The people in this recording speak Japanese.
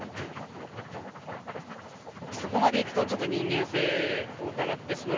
そこまでいくと、ちょっと人間性を疑ってしまう。